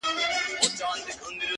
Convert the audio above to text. زه هم دا ستا له لاسه،